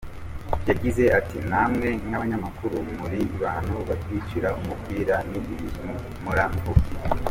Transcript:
Yagize ati ”Namwe nk’abanyamakuru muri mu bantu batwicira umupira, ni ibintu mpora mvuga.